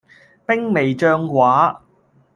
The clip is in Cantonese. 兵微將寡